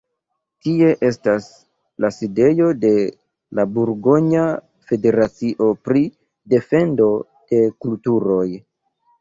Tie estas la sidejo de la burgonja federacio pri defendo de kulturoj.